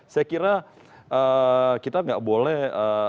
saya kira kita nggak boleh